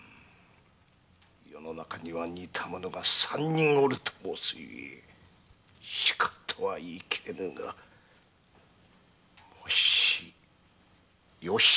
世の中には似た者が三人おると申すゆえしかとは言いきれぬがもし吉宗であったなら。